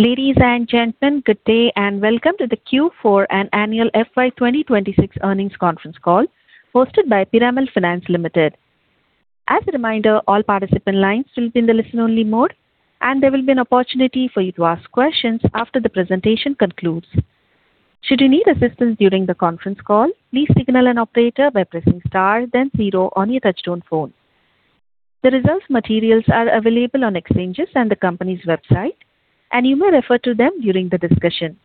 Ladies and gentlemen, good day, and welcome to the Q4 and annual FY 2026 earnings conference call hosted by Piramal Finance Limited. As a reminder, all participant lines will be in the listen-only mode, and there will be an opportunity for you to ask questions after the presentation concludes. Should you need assistance during the conference call, please signal an operator by pressing star then zero on your touch-tone phone. The results materials are available on exchanges and the company's website, and you may refer to them during the discussion.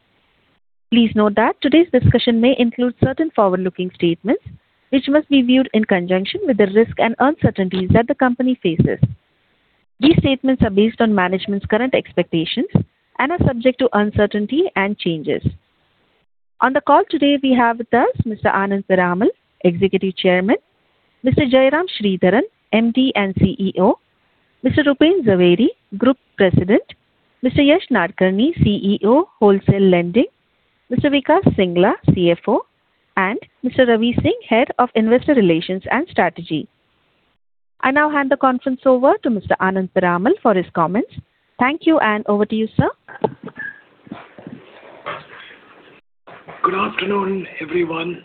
Please note that today's discussion may include certain forward-looking statements which must be viewed in conjunction with the risk and uncertainties that the company faces. These statements are based on management's current expectations and are subject to uncertainty and changes. On the call today we have with us Mr. Anand Piramal, Executive Chairman, Mr. Jairam Sridharan, MD and CEO, Mr. Rupen Jhaveri, Group President, Mr. Yesh Nadkarni, CEO, Wholesale Lending, Mr. Vikash Singhla, CFO, and Mr. Ravi Singh, Head of Investor Relations and Strategy. I now hand the conference over to Mr. Anand Piramal for his comments. Thank you, and over to you, sir. Good afternoon, everyone,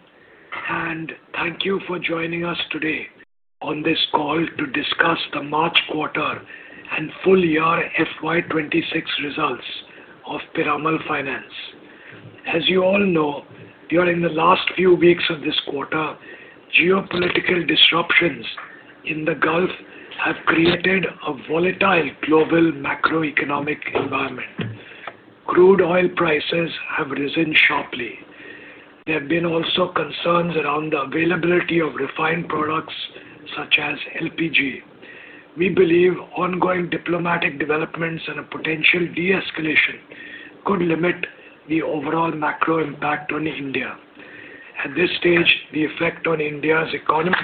and thank you for joining us today on this call to discuss the March quarter and full year FY 2026 results of Piramal Finance. As you all know, during the last few weeks of this quarter, geopolitical disruptions in the Gulf have created a volatile global macroeconomic environment. Crude oil prices have risen sharply. There have been also concerns around the availability of refined products such as LPG. We believe ongoing diplomatic developments and a potential de-escalation could limit the overall macro impact on India. At this stage, the effect on India's economy,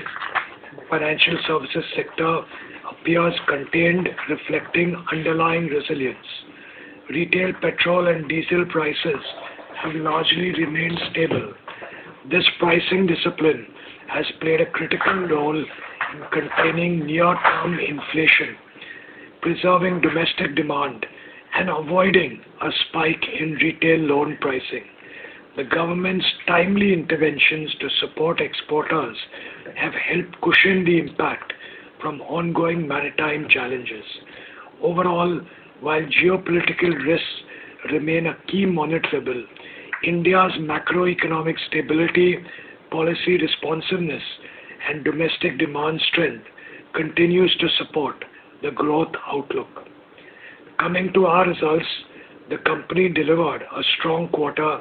financial services sector appears contained, reflecting underlying resilience. Retail petrol and diesel prices have largely remained stable. This pricing discipline has played a critical role in containing near-term inflation, preserving domestic demand, and avoiding a spike in retail loan pricing. The government's timely interventions to support exporters have helped cushion the impact from ongoing maritime challenges. Overall, while geopolitical risks remain a key monitorable, India's macroeconomic stability, policy responsiveness, and domestic demand strength continues to support the growth outlook. Coming to our results, the company delivered a strong quarter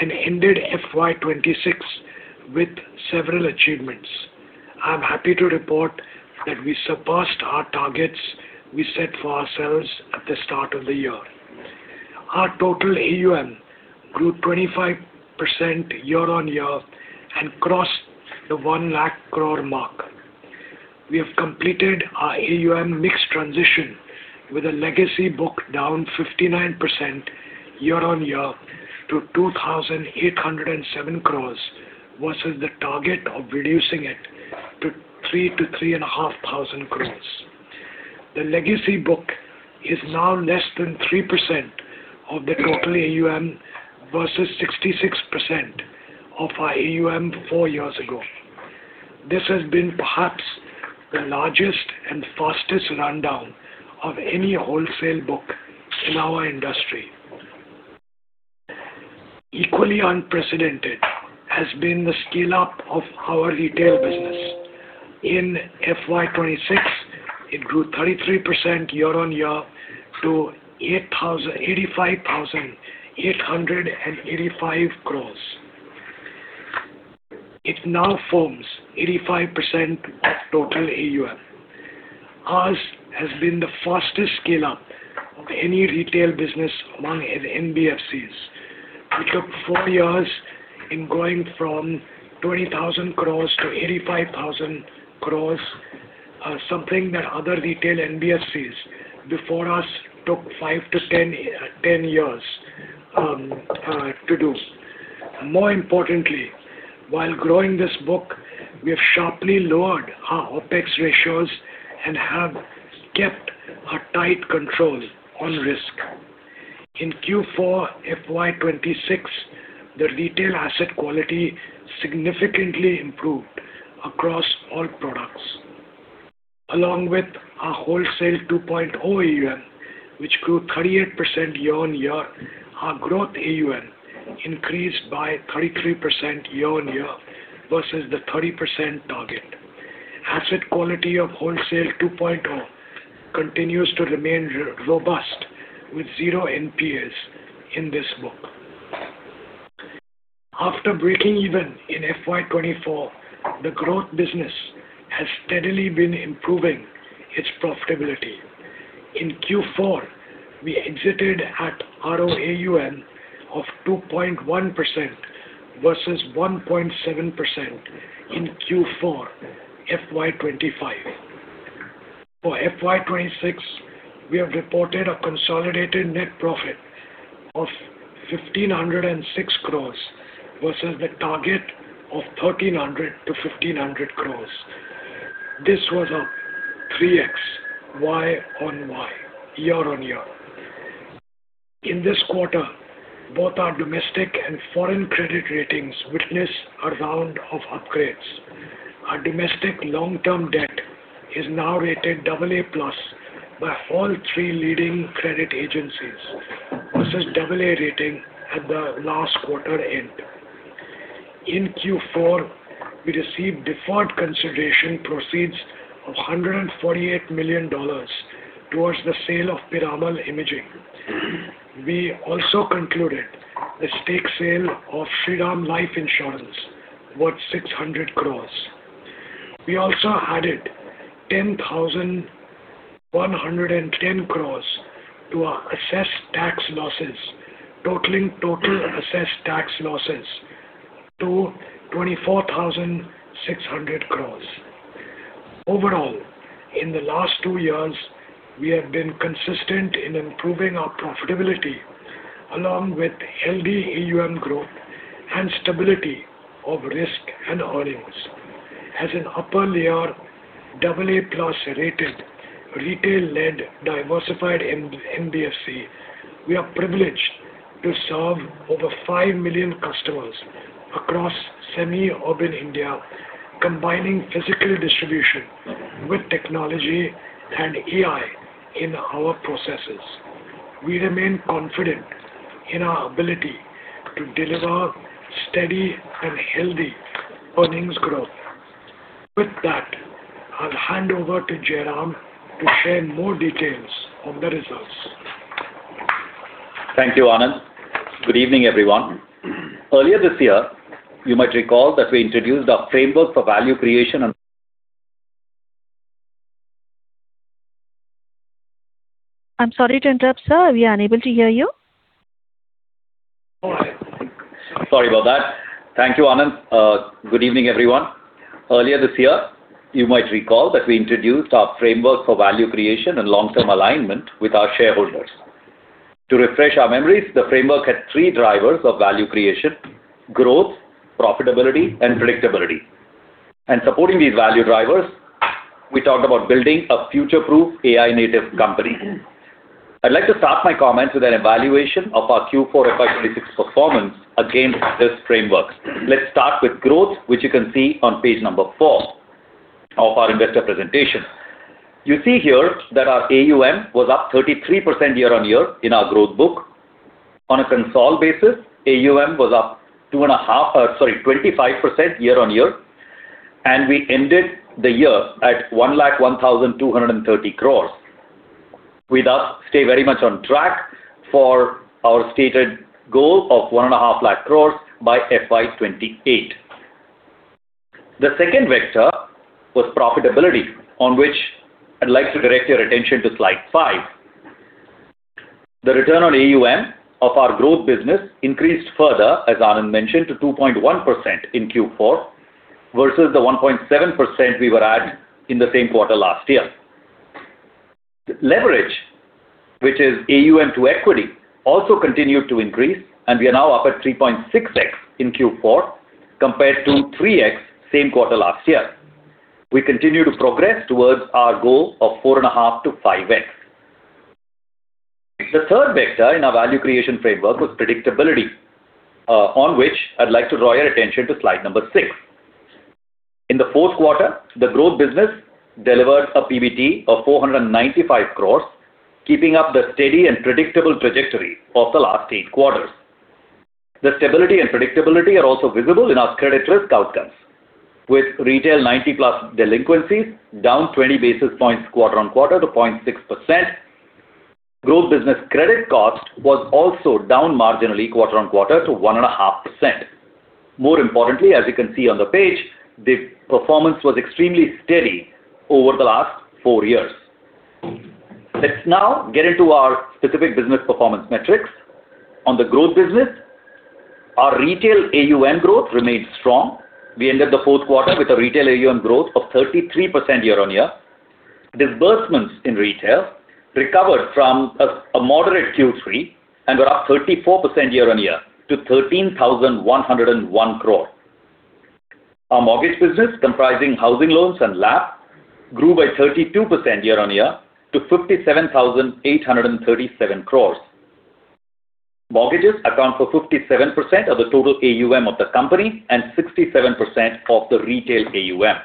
and ended FY 2026 with several achievements. I'm happy to report that we surpassed our targets we set for ourselves at the start of the year. Our total AUM grew 25% year-on-year and crossed the 1 lakh crore mark. We have completed our AUM mix transition with a legacy book down 59% year-on-year to 2,807 crore versus the target of reducing it to 3,000-3,500 crore. The legacy book is now less than 3% of the total AUM versus 66% of our AUM four years ago. This has been perhaps the largest and fastest rundown of any wholesale book in our industry. Equally unprecedented has been the scale-up of our retail business. In FY 2026, it grew 33% year-on-year to INR 85,885 crore. It now forms 85% of total AUM. Ours has been the fastest scale-up of any retail business among NBFCs. We took four years in going from 20,000 crore to 85,885 crore, something that other retail NBFCs before us took 5-10 years to do. More importantly, while growing this book, we have sharply lowered our OPEX ratios and have kept a tight control on risk. In Q4 FY 2026, the retail asset quality significantly improved across all products. Along with our wholesale 2.0 AUM, which grew 38% year-on-year, our growth AUM increased by 33% year-on-year versus the 30% target. Asset quality of wholesale 2.0 continues to remain robust with 0 NPAs in this book. After breaking even in FY 2024, the growth business has steadily been improving its profitability. In Q4, we exited at ROAUM of 2.1% versus 1.7% in Q4 FY 2025. For FY 2026, we have reported a consolidated net profit of 1,506 crores versus the target of 1,300 crores-1,500 crores. This was up 3x year-on-year. In this quarter, both our domestic and foreign credit ratings witnessed a round of upgrades. Our domestic long-term debt is now rated AA+ by all three leading credit agencies versus AA rating at the last quarter end. In Q4, we received deferred consideration proceeds of $148 million towards the sale of Piramal Imaging. We also concluded the stake sale of Shriram Life Insurance worth 600 crores. We also added 10,110 crores to our assessed tax losses, totaling assessed tax losses to 24,600 crores. Overall, in the last two years, we have been consistent in improving our profitability along with healthy AUM growth and stability of risk and earnings. As an upper layer AA+-rated retail-led diversified NBFC, we are privileged to serve over 5 million customers across semi-urban India, combining physical distribution with technology and AI in our processes. We remain confident in our ability to deliver steady and healthy earnings growth. With that, I'll hand over to Jairam to share more details on the results. Thank you, Anand. Good evening, everyone. Earlier this year, you might recall that we introduced our framework for value creation and. I'm sorry to interrupt, sir. We are unable to hear you. Sorry about that. Thank you, Anand. Good evening, everyone. Earlier this year, you might recall that we introduced our framework for value creation and long-term alignment with our shareholders. To refresh our memories, the framework had three drivers of value creation, growth, profitability, and predictability. Supporting these value drivers, we talked about building a future-proof AI-native company. I'd like to start my comments with an evaluation of our Q4 FY 2026 performance against this framework. Let's start with growth, which you can see on page 4 of our investor presentation. You see here that our AUM was up 33% year-on-year in our growth book. On a consolidated basis, AUM was up 25% year-on-year, and we ended the year at 1,01,230 crore. We thus stay very much on track for our stated goal of 1.5 lakh crore by FY 2028. The second vector was profitability, on which I'd like to direct your attention to slide 5. The return on AUM of our growth business increased further, as Anand mentioned, to 2.1% in Q4 versus the 1.7% we were at in the same quarter last year. Leverage, which is AUM to equity, also continued to increase, and we are now up at 3.6x in Q4 compared to 3x same quarter last year. We continue to progress towards our goal of 4.5x-5x. The third vector in our value creation framework was predictability, on which I'd like to draw your attention to slide 6. In the fourth quarter, the growth business delivered a PBT of 495 crore, keeping up the steady and predictable trajectory of the last 8 quarters. The stability and predictability are also visible in our credit risk outcomes, with retail 90-plus delinquencies down 20 basis points quarter-on-quarter to 0.6%. Growth business credit cost was also down marginally quarter-on-quarter to 1.5%. More importantly, as you can see on the page, the performance was extremely steady over the last 4 years. Let's now get into our specific business performance metrics. On the growth business, our retail AUM growth remained strong. We ended the fourth quarter with a retail AUM growth of 33% year-on-year. Disbursement in retail recovered from a moderate Q3 and were up 34% year-on-year to 13,101 crore. Our mortgage business, comprising housing loans and LAP, grew by 32% year-on-year to 57,837 crore. Mortgages account for 57% of the total AUM of the company and 67% of the retail AUM.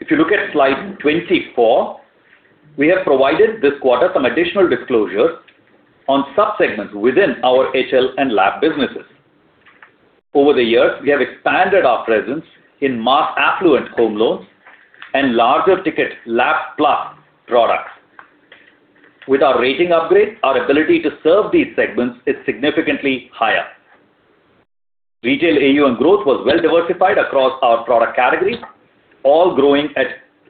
If you look at slide 24, we have provided this quarter some additional disclosures on subsegments within our HL and LAP businesses. Over the years, we have expanded our presence in mass affluent home loans and larger ticket LAP Plus products. With our rating upgrade, our ability to serve these segments is significantly higher. Retail AUM growth was well diversified across our product categories, all growing at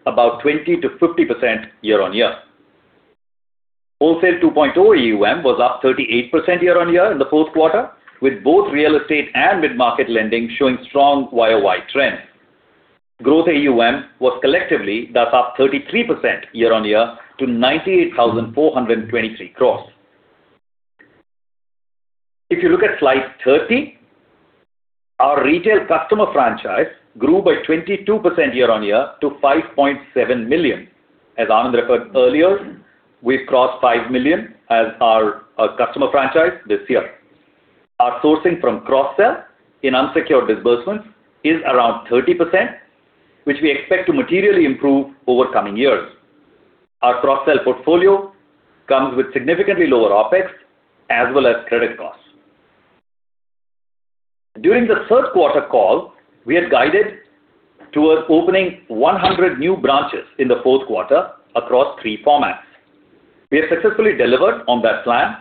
about 20%-50% year-on-year. Wholesale 2.0 AUM was up 38% year-on-year in the fourth quarter, with both real estate and mid-market lending showing strong year-on-year trend. Growth AUM was collectively thus up 33% year-on-year to 98,423 crore. If you look at slide 30, our retail customer franchise grew by 22% year-on-year to 5.7 million. As Anand referred earlier, we've crossed 5 million as our customer franchise this year. Our sourcing from cross sell in unsecured disbursements is around 30%, which we expect to materially improve over coming years. Our cross sell portfolio comes with significantly lower OpEx as well as credit costs. During the third quarter call, we had guided towards opening 100 new branches in the fourth quarter across three formats. We have successfully delivered on that plan.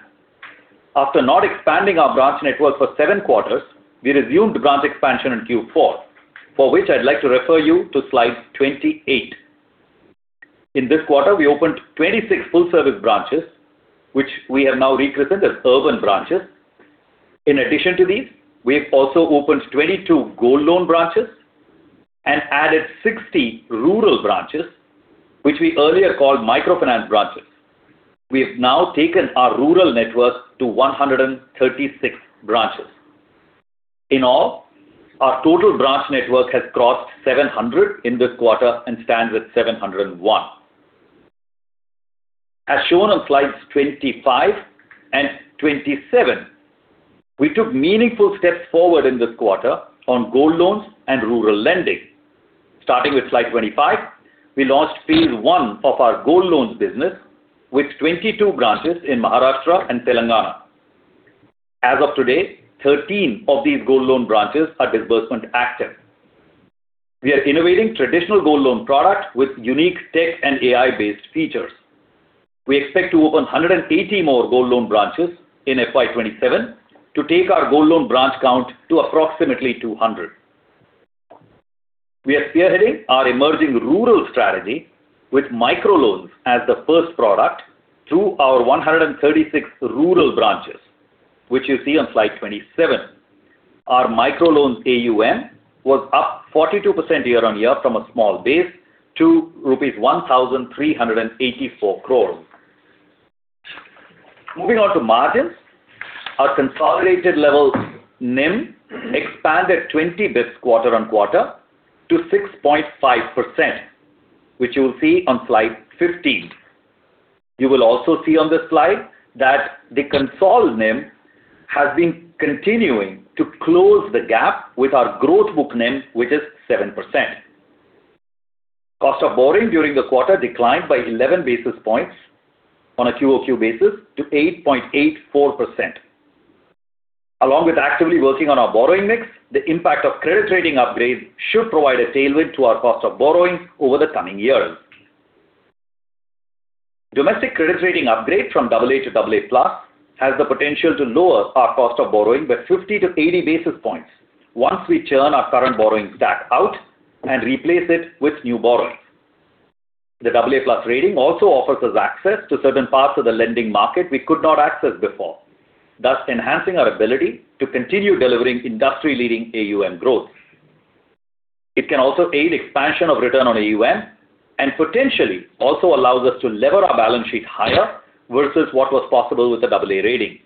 After not expanding our branch network for seven quarters, we resumed branch expansion in Q4, for which I'd like to refer you to slide 28. In this quarter, we opened 26 full service branches, which we have now rechristened as urban branches. In addition to these, we've also opened 22 gold loan branches and added 60 rural branches, which we earlier called microfinance branches. We have now taken our rural network to 136 branches. In all, our total branch network has crossed 700 in this quarter and stands at 701. As shown on slides 25 and 27, we took meaningful steps forward in this quarter on gold loans and rural lending. Starting with slide 25, we launched phase one of our gold loans business with 22 branches in Maharashtra and Telangana. As of today, 13 of these gold loan branches are disbursement active. We are innovating traditional gold loan product with unique tech and AI-based features. We expect to open 180 more gold loan branches in FY 2027 to take our gold loan branch count to approximately 200. We are spearheading our emerging rural strategy with micro loans as the first product through our 136 rural branches, which you see on slide 27. Our micro loans AUM was up 42% year-on-year from a small base to rupees 1,384 crore. Moving on to margins. Our consolidated level NIM expanded 20 basis points quarter-on-quarter to 6.5%, which you will see on slide 15. You will also see on this slide that the consol NIM has been continuing to close the gap with our growth book NIM, which is 7%. Cost of borrowing during the quarter declined by 11 basis points on a quarter-on-quarter basis to 8.84%. Along with actively working on our borrowing mix, the impact of credit rating upgrades should provide a tailwind to our cost of borrowing over the coming years. Domestic credit rating upgrade from AA to AA+ has the potential to lower our cost of borrowing by 50-80 basis points once we churn our current borrowing stack out and replace it with new borrowing. The AA+ rating also offers us access to certain parts of the lending market we could not access before, thus enhancing our ability to continue delivering industry-leading AUM growth. It can also aid expansion of return on AUM and potentially also allows us to lever our balance sheet higher versus what was possible with the AA rating.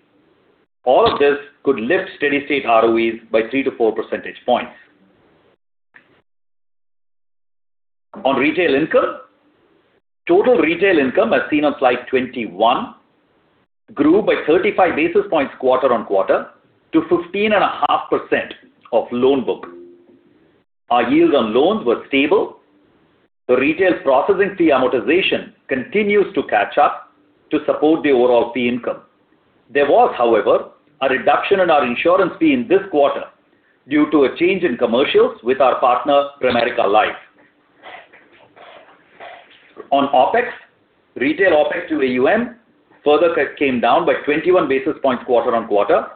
All of this could lift steady-state ROEs by 3-4 percentage points. On retail income, total retail income as seen on slide 21 grew by 35 basis points quarter-on-quarter to 15.5% of loan book. Our yields on loans were stable. The retail processing fee amortization continues to catch up to support the overall fee income. There was, however, a reduction in our insurance fee in this quarter due to a change in commercials with our partner Pramerica Life. On OpEx, retail OpEx to AUM further came down by 21 basis points quarter-on-quarter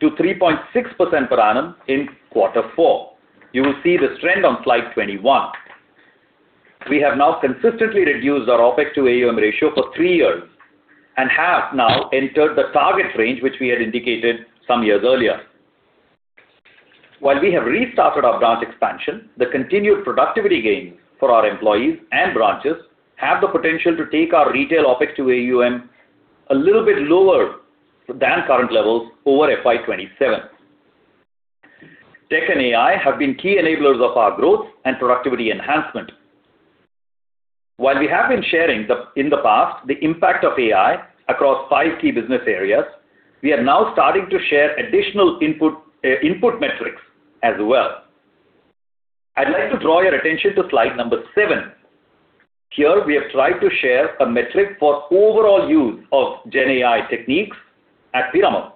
to 3.6% per annum in quarter four. You will see this trend on slide 21. We have now consistently reduced our OpEx to AUM ratio for 3 years and have now entered the target range, which we had indicated some years earlier. While we have restarted our branch expansion, the continued productivity gains for our employees and branches have the potential to take our retail OpEx to AUM a little bit lower than current levels over FY 2027. Tech and AI have been key enablers of our growth and productivity enhancement. While we have been sharing, in the past, the impact of AI across five key business areas, we are now starting to share additional input metrics as well. I'd like to draw your attention to slide number 7. Here we have tried to share a metric for overall use of GenAI techniques at Piramal.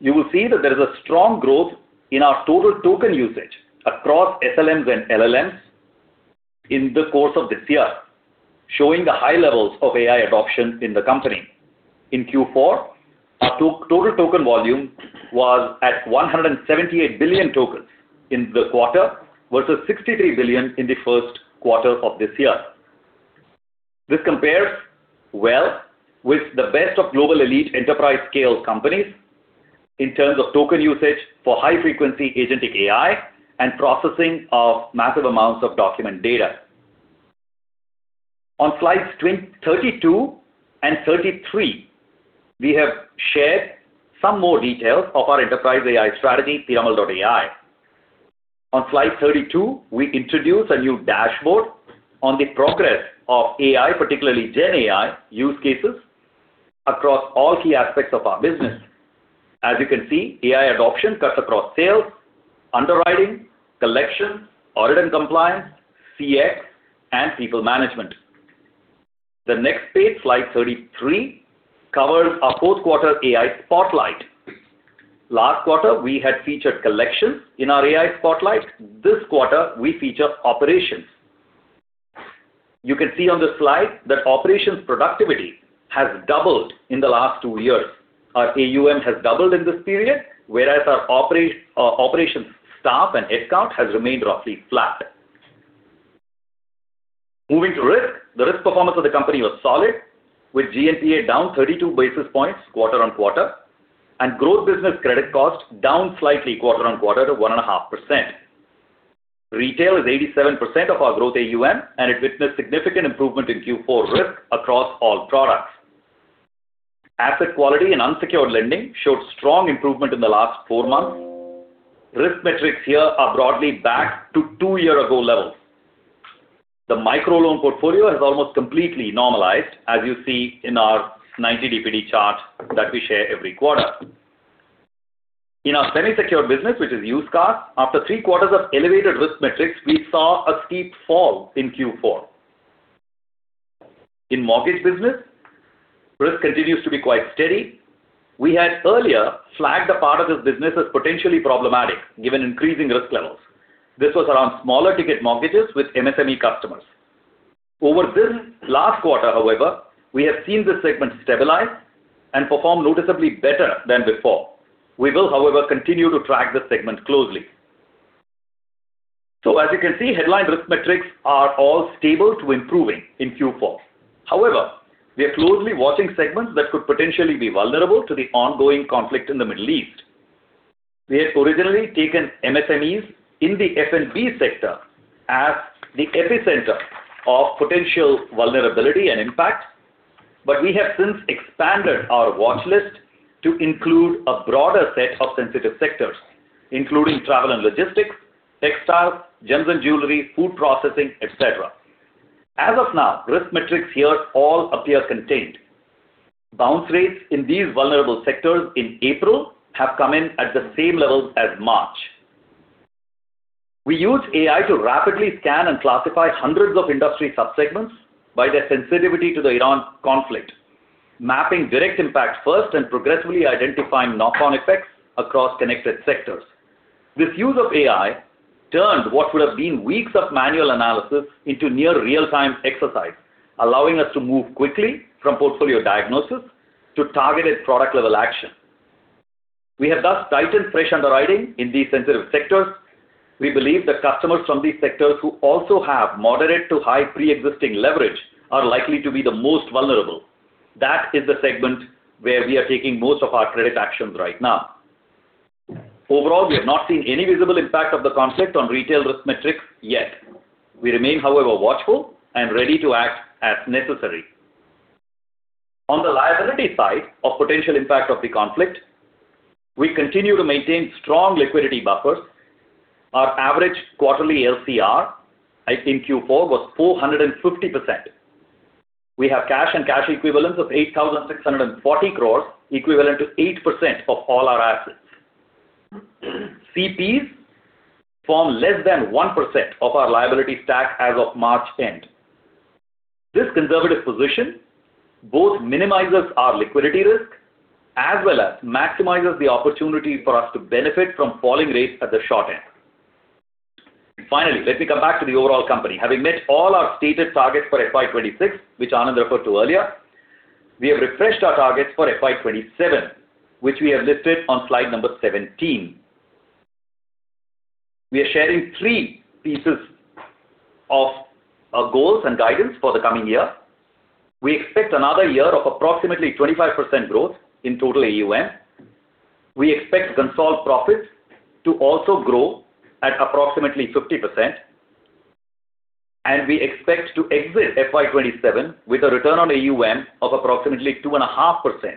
You will see that there is a strong growth in our total token usage across SLMs and LLMs in the course of this year, showing the high levels of AI adoption in the company. In Q4, our total token volume was at 178 billion tokens in the quarter versus 63 billion in the first quarter of this year. This compares well with the best of global elite enterprise scale companies in terms of token usage for high frequency agentic AI and processing of massive amounts of document data. On slides 32 and 33, we have shared some more details of our enterprise AI strategy, Piramal.ai. On slide 32, we introduce a new dashboard on the progress of AI, particularly gen AI use cases, across all key aspects of our business. As you can see, AI adoption cuts across sales, underwriting, collection, audit and compliance, CX, and people management. The next page, slide 33, covers our fourth quarter AI spotlight. Last quarter, we had featured collections in our AI spotlight. This quarter, we feature operations. You can see on the slide that operations productivity has doubled in the last 2 years. Our AUM has doubled in this period, whereas our operations staff and headcount has remained roughly flat. Moving to risk. The risk performance of the company was solid, with GNPA down 32 basis points quarter-on-quarter and growth business credit cost down slightly quarter on quarter to 1.5%. Retail is 87% of our growth AUM, and it witnessed significant improvement in Q4 risk across all products. Asset quality and unsecured lending showed strong improvement in the last 4 months. Risk metrics here are broadly back to 2-year-ago levels. The microloan portfolio has almost completely normalized, as you see in our 90 DPD chart that we share every quarter. In our semi-secured business, which is used cars, after three quarters of elevated risk metrics, we saw a steep fall in Q4. In mortgage business, risk continues to be quite steady. We had earlier flagged a part of this business as potentially problematic given increasing risk levels. This was around smaller ticket mortgages with MSME customers. Over this last quarter, however, we have seen this segment stabilize and perform noticeably better than before. We will, however, continue to track this segment closely. As you can see, headline risk metrics are all stable to improving in Q4. However, we are closely watching segments that could potentially be vulnerable to the ongoing conflict in the Middle East. We had originally taken MSMEs in the F&B sector as the epicenter of potential vulnerability and impact, but we have since expanded our watchlist to include a broader set of sensitive sectors, including travel and logistics, textiles, gems and jewelry, food processing, et cetera. As of now, risk metrics here all appear contained. Bounce rates in these vulnerable sectors in April have come in at the same levels as March. We use AI to rapidly scan and classify hundreds of industry subsegments by their sensitivity to the Iran conflict, mapping direct impacts first and progressively identifying knock-on effects across connected sectors. This use of AI turns what would have been weeks of manual analysis into near real-time exercise, allowing us to move quickly from portfolio diagnosis to targeted product-level action. We have thus tightened fresh underwriting in these sensitive sectors. We believe that customers from these sectors who also have moderate to high preexisting leverage are likely to be the most vulnerable. That is the segment where we are taking most of our credit actions right now. Overall, we have not seen any visible impact of the conflict on retail risk metrics yet. We remain, however, watchful and ready to act as necessary. On the liability side of potential impact of the conflict, we continue to maintain strong liquidity buffers. Our average quarterly LCR in Q4 was 450%. We have cash and cash equivalents of 8,640 crores, equivalent to 8% of all our assets. CPs form less than 1% of our liability stack as of March end. This conservative position both minimizes our liquidity risk as well as maximizes the opportunity for us to benefit from falling rates at the short end. Finally, let me come back to the overall company. Having met all our stated targets for FY 2026, which Anand referred to earlier, we have refreshed our targets for FY 2027, which we have listed on slide number 17. We are sharing three pieces of our goals and guidance for the coming year. We expect another year of approximately 25% growth in total AUM. We expect consolidated profits to also grow at approximately 50%, and we expect to exit FY 2027 with a return on AUM of approximately 2.5%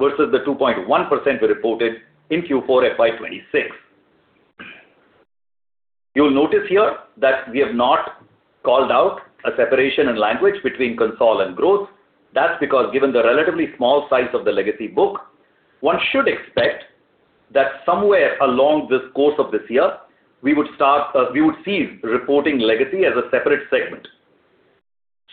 versus the 2.1% we reported in Q4 FY 2026. You'll notice here that we have not called out a separation in language between consolidated and growth. That's because given the relatively small size of the legacy book, one should expect that somewhere along the course of this year, we would start reporting legacy as a separate segment.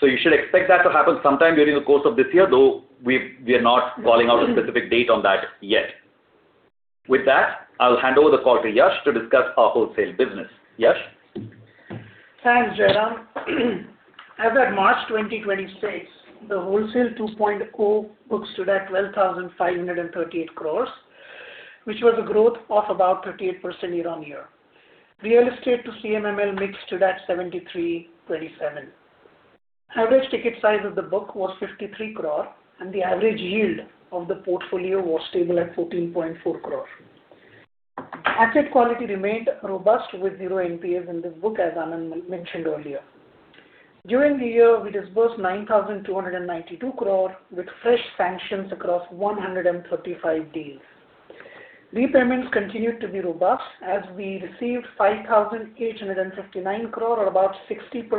You should expect that to happen sometime during the course of this year, though we are not calling out a specific date on that yet. With that, I'll hand over the call to Yesh to discuss our wholesale business. Yesh? Thanks, Jairam. As at March 2026, the Wholesale 2.0 book stood at 12,538 crore, which was a growth of about 38% year-on-year. Real estate to CMML mix stood at 73/27. Average ticket size of the book was 53 crore, and the average yield of the portfolio was stable at 14.4%. Asset quality remained robust with 0 NPAs in this book, as Anand mentioned earlier. During the year, we disbursed 9,292 crore with fresh sanctions across 135 deals. Repayments continued to be robust as we received 5,859 crore or about 63%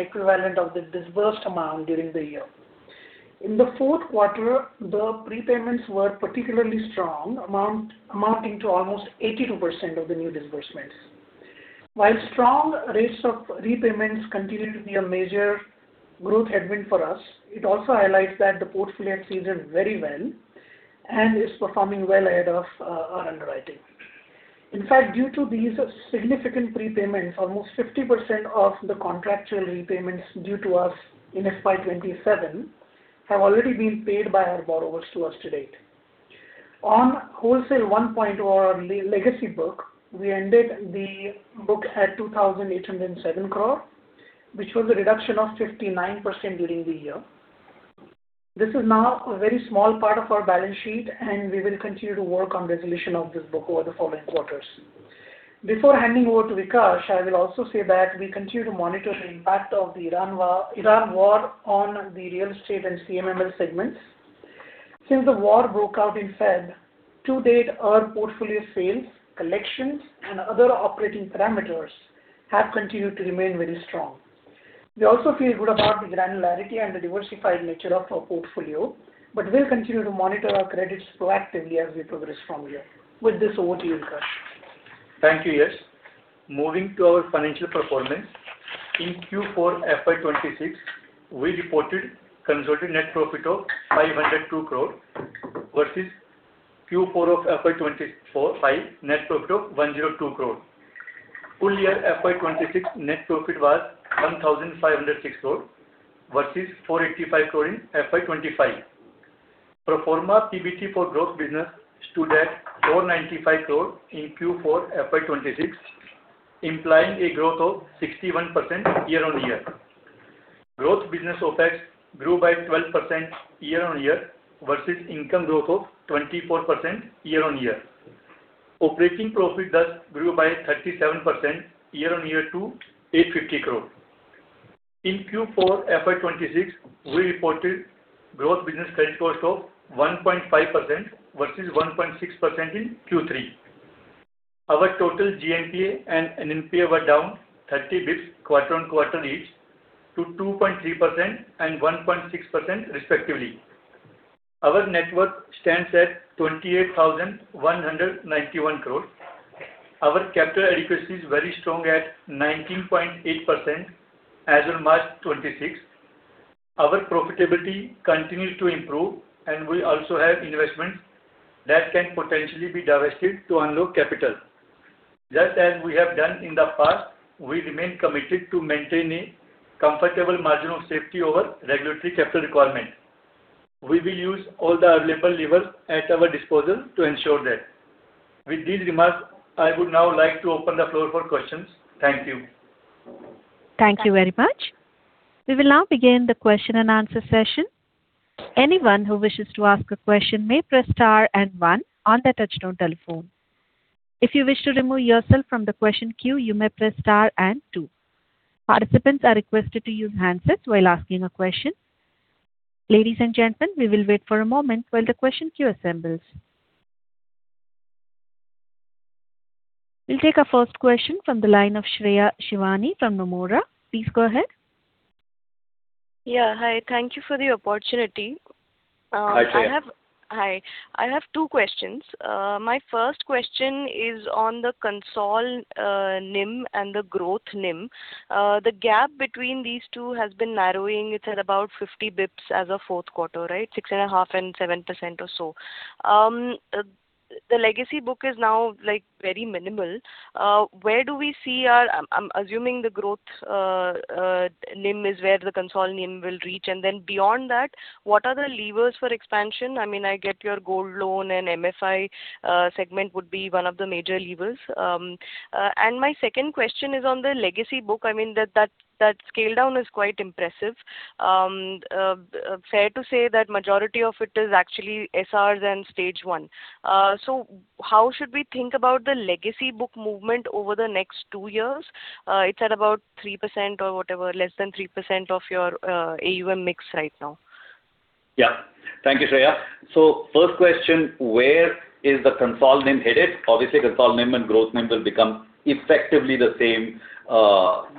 equivalent of the disbursed amount during the year. In the fourth quarter, the repayments were particularly strong, amounting to almost 82% of the new disbursements. While strong rates of repayments continue to be a major growth headwind for us, it also highlights that the portfolio seasoned very well and is performing well ahead of our underwriting. In fact, due to these significant prepayments, almost 50% of the contractual repayments due to us in FY 2027 have already been paid by our borrowers to us to date. On Wholesale 1.0 legacy book, we ended the book at 2,807 crore, which was a reduction of 59% during the year. This is now a very small part of our balance sheet, and we will continue to work on resolution of this book over the following quarters. Before handing over to Vikash, I will also say that we continue to monitor the impact of the Iran war on the real estate and CMML segments. Since the war broke out in February, to date, our portfolio sales, collections, and other operating parameters have continued to remain very strong. We also feel good about the granularity and the diversified nature of our portfolio, but we'll continue to monitor our credits proactively as we progress from here. With this, over to you, Vikash. Thank you, Yesh. Moving to our financial performance. In Q4 FY 2026, we reported consolidated net profit of 502 crore versus Q4 of FY 2025 net profit of 102 crore. Full year FY 2026 net profit was 1,506 crore versus 485 crore in FY 2025. Pro forma PBT for growth business stood at 495 crore in Q4 FY 2026, implying a growth of 61% year-on-year. Growth business OPEX grew by 12% year-on-year versus income growth of 24% year-on-year. Operating profit thus grew by 37% year-on-year to 850 crore. In Q4 FY 2026, we reported growth business credit cost of 1.5% versus 1.6% in Q3. Our total GNPA and NPA were down 30 basis points quarter-on-quarter each to 2.3% and 1.6%, respectively. Our net worth stands at 28,191 crore. Our capital adequacy is very strong at 19.8% as of March 2026. Our profitability continues to improve, and we also have investments that can potentially be divested to unlock capital. Just as we have done in the past, we remain committed to maintaining comfortable margin of safety over regulatory capital requirement. We will use all the available levers at our disposal to ensure that. With these remarks, I would now like to open the floor for questions. Thank you. Thank you very much. We will now begin the question and answer session. Anyone who wishes to ask a question may press star and one on their touchtone telephone. If you wish to remove yourself from the question queue, you may press star and two. Participants are requested to use handsets while asking a question. Ladies and gentlemen, we will wait for a moment while the question queue assembles. We'll take our first question from the line of Shreya Shivani from Nomura. Please go ahead. Yeah. Hi. Thank you for the opportunity. Hi, Shreya. Hi. I have two questions. My first question is on the consolidated NIM and the growth NIM. The gap between these two has been narrowing. It's at about 50 basis points as of fourth quarter, right? 6.5% and 7% or so. The legacy book is now, like, very minimal. Where do we see our consolidated NIM? I'm assuming the growth NIM is where the consolidated NIM will reach. And then beyond that, what are the levers for expansion? I mean, I get your gold loan and MFI segment would be one of the major levers. My second question is on the legacy book. I mean, that scale down is quite impressive. Fair to say that majority of it is actually SRs and Stage one. How should we think about the legacy book movement over the next two years? It's at about 3% or whatever, less than 3% of your AUM mix right now. Yeah. Thank you, Shreya. First question, where is the consol NIM headed? Obviously, consol NIM and growth NIM will become effectively the same,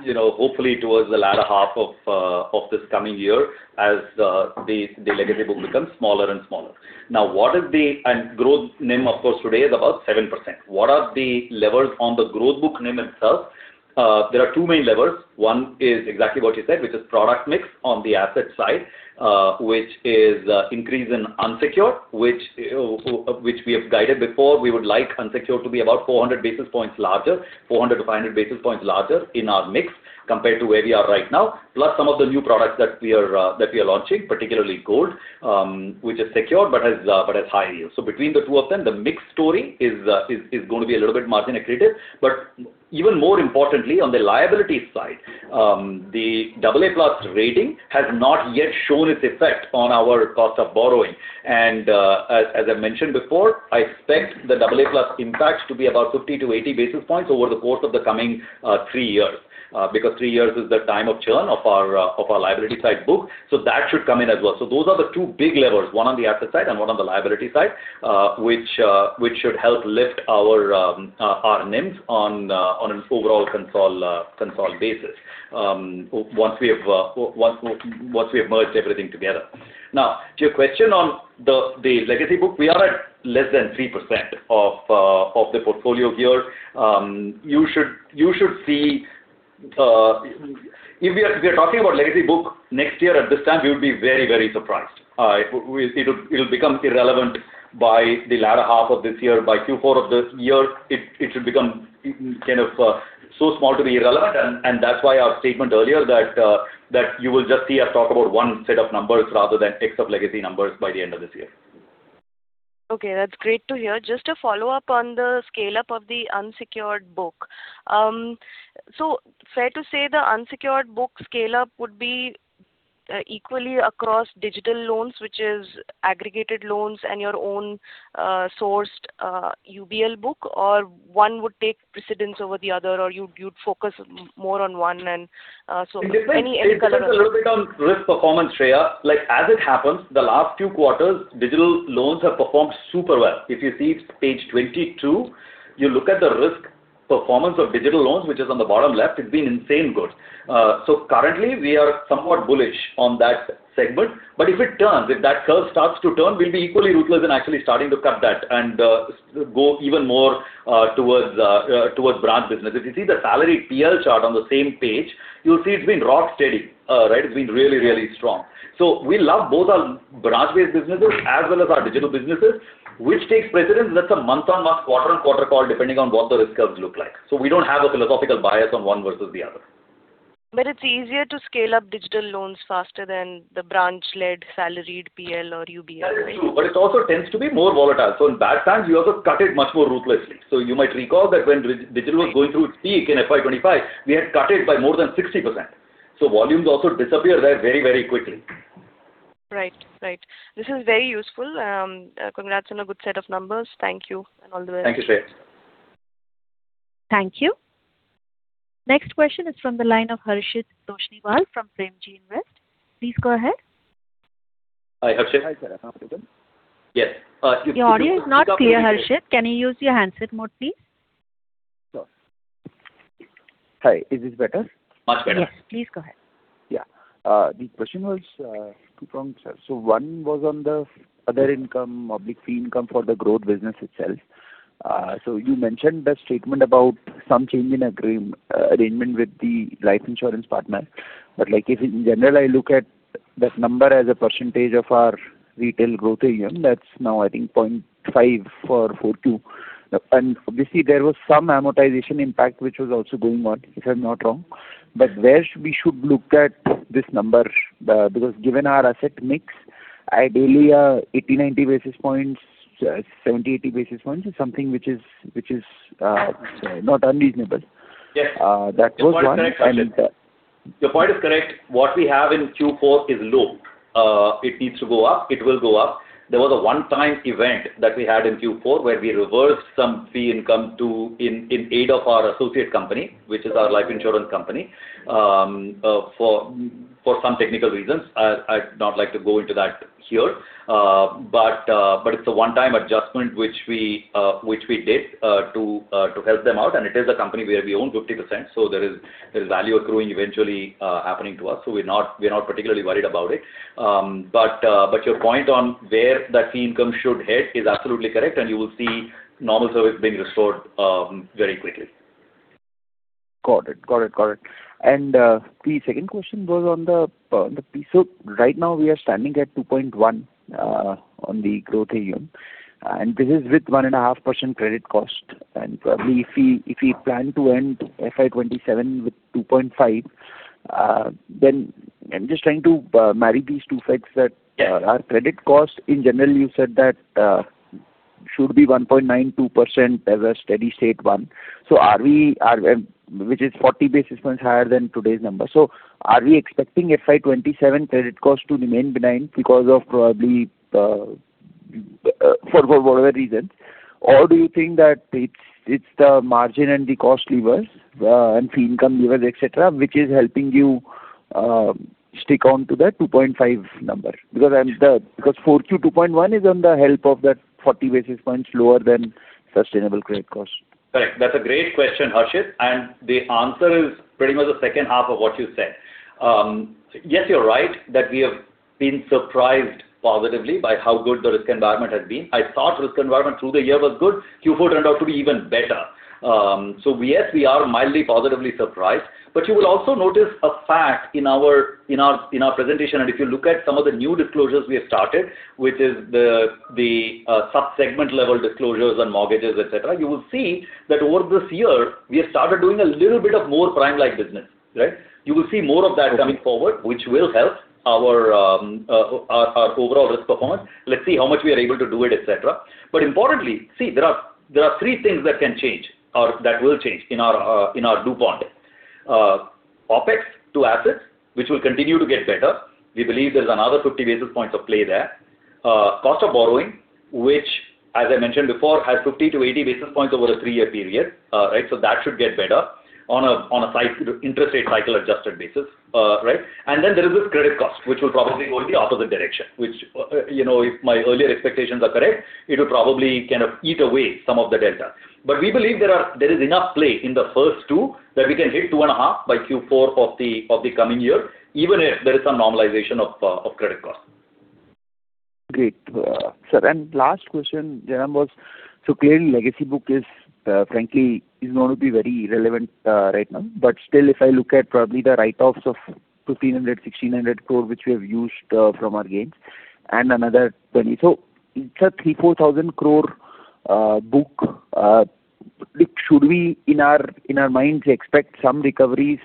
you know, hopefully towards the latter half of this coming year as the legacy book becomes smaller and smaller. Now, Growth NIM, of course, today is about 7%. What are the levers on the growth book NIM itself? There are two main levers. One is exactly what you said, which is product mix on the asset side, which is increase in unsecured, which we have guided before. We would like unsecured to be about 400 basis points larger, 400-500 basis points larger in our mix compared to where we are right now. Plus some of the new products that we are launching, particularly gold, which is secured but has high yield. Between the two of them, the mix story is gonna be a little bit margin accretive. Even more importantly, on the liability side, the AA+ rating has not yet shown its effect on our cost of borrowing. I mentioned before, I expect the AA+ impact to be about 50-80 basis points over the course of the coming three years. Because three years is the time of churn of our liability side book. That should come in as well. Those are the two big levers, one on the asset side and one on the liability side, which should help lift our NIMs on an overall consolidated basis, once we have merged everything together. Now, to your question on the legacy book, we are at less than 3% of the portfolio here. You should see... If we are talking about legacy book next year at this time, you'll be very, very surprised. We'll, it'll become irrelevant by the latter half of this year. By Q4 of this year, it should become so small to be irrelevant. That's why our statement earlier that you will just see us talk about one set of numbers rather than mix of legacy numbers by the end of this year. Okay, that's great to hear. Just a follow-up on the scale-up of the unsecured book. Fair to say the unsecured book scale-up would be equally across digital loans, which is aggregated loans and your own sourced UBL book, or one would take precedence over the other, or you'd focus more on one and so any color on- It depends a little bit on risk performance, Shreya. Like, as it happens, the last 2 quarters, digital loans have performed super well. If you see page 22, you look at the risk performance of digital loans, which is on the bottom left, it's been insane good. So currently we are somewhat bullish on that segment. If it turns, if that curve starts to turn, we'll be equally ruthless in actually starting to cut that and go even more towards branch business. If you see the salary PL chart on the same page, you'll see it's been rock steady. Right? It's been really, really strong. We love both our branch-based businesses as well as our digital businesses. Which takes precedence? That's a month-on-month, quarter-on-quarter call, depending on what the risk curves look like. We don't have a philosophical bias on one versus the other. It's easier to scale up digital loans faster than the branch-led salaried PL or UBL, right? That is true, but it also tends to be more volatile. In bad times, you also cut it much more ruthlessly. You might recall that when digital was going through its peak in FY 2025, we had cut it by more than 60%. Volumes also disappear there very, very quickly. Right. This is very useful. Congrats on a good set of numbers. Thank you and all the best. Thank you, Shreya. Thank you. Next question is from the line of Harshit Toshniwal from Premji Invest. Please go ahead. Hi, Harshit. Hi, sir. Good afternoon. Yes. Your audio is not clear, Harshit. Can you use your handset mode, please? Sure. Hi. Is this better? Much better. Yes. Please go ahead. Yeah. The question was two-pronged, sir. One was on the other income, profit fee income for the growth business itself. You mentioned the statement about some change in arrangement with the life insurance partner. But like if in general, I look at that number as a percentage of our retail growth AUM, that's now I think 0.5% for Q4. And obviously, there was some amortization impact which was also going on, if I'm not wrong. But where we should look at this number? Because given our asset mix, ideally 80-90 basis points, 70-80 basis points is something which is not unreasonable. Yes. That was one. Your point is correct, Harshit. What we have in Q4 is low. It needs to go up. It will go up. There was a one-time event that we had in Q4, where we reversed some fee income in aid of our associate company, which is our life insurance company, for some technical reasons. I'd not like to go into that here. It's a one-time adjustment which we did to help them out, and it is a company where we own 50%, so there is value accruing eventually happening to us. We're not particularly worried about it. Your point on where that fee income should head is absolutely correct, and you will see normal service being restored very quickly. Got it. The second question was on the piece. Right now we are standing at 2.1 on the growth AUM, and this is with 1.5% credit cost. Probably if we plan to end FY 2027 with 2.5, then I'm just trying to marry these two facts that Yeah. Our credit cost in general, you said that should be 1.92% as a steady-state one. Which is 40 basis points higher than today's number. Are we expecting FY 2027 credit cost to remain benign because of probably for whatever reasons? Or do you think that it's the margin and the cost levers and fee income levers, et cetera, which is helping you stick onto that 2.5% number? Because Q4 2.1% is on the back of that 40 basis points lower than sustainable credit cost. Right. That's a great question, Harshit, and the answer is pretty much the second half of what you said. Yes, you're right that we have been surprised positively by how good the risk environment has been. I thought risk environment through the year was good. Q4 turned out to be even better. So yes, we are mildly positively surprised. You will also notice a fact in our presentation, and if you look at some of the new disclosures we have started, which is the sub-segment level disclosures on mortgages, et cetera, you will see that over this year, we have started doing a little bit of more prime-like business, right? You will see more of that coming forward, which will help our overall risk performance. Let's see how much we are able to do it, et cetera. Importantly, see, there are three things that can change or that will change in our DuPont. OpEx to assets, which will continue to get better. We believe there's another 50 basis points of play there. Cost of borrowing, which as I mentioned before, has 50-80 basis points over a three-year period. Right? That should get better on a size interest rate cycle adjusted basis. Right? There is this credit cost, which will probably go in the opposite direction, which you know, if my earlier expectations are correct, it will probably kind of eat away some of the delta. We believe there is enough play in the first two that we can hit 2.5 by Q4 of the coming year, even if there is some normalization of credit costs. Great. Sir, and last question, Jairam, what so clearly legacy book is frankly going to be very irrelevant right now. Still, if I look at probably the write-offs of 1,500-1,600 crore, which we have used from our gains and another 20. So it's a 3,000-4,000 crore book. Should we in our minds expect some recoveries?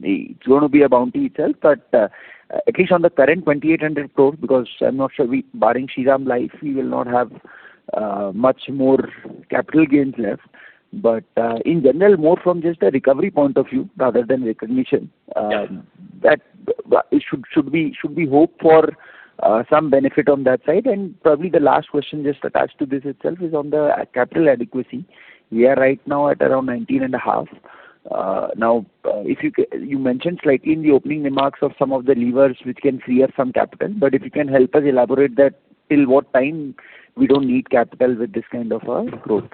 It's gonna be a bounty itself, but at least on the current 2,800 crore, because I'm not sure barring Shriram Life we will not have much more capital gains left. In general, more from just a recovery point of view rather than recognition, that should we hope for some benefit on that side? Probably the last question just attached to this itself is on the capital adequacy. We are right now at around 19.5%. Now if you mentioned slightly in the opening remarks of some of the levers which can free up some capital, but if you can help us elaborate that till what time we don't need capital with this kind of growth?